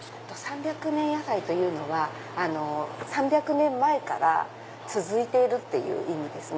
三百年野菜というのは３００年前から続いているっていう意味ですね。